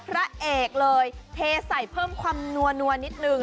พระเอกเลยเทใส่เพิ่มความนัวนิดนึง